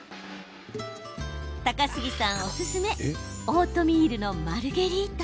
高杉さんおすすめオートミールのマルゲリータ。